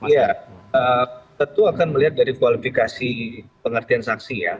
iya ketua akan melihat dari kualifikasi pengertian saksi ya